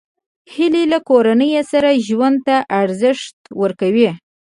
هیلۍ له کورنۍ سره ژوند ته ارزښت ورکوي